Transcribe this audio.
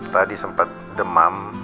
tadi sempet demam